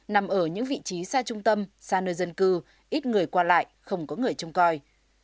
nằm ở những vị trí xa trung tâm xa nơi dân cư ít người qua lại không có người trông coi